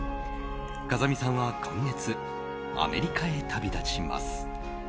風見さんは今月アメリカへ旅立ちます。